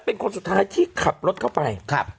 เป็นคนสุดท้ายที่ขับรถเข้าไป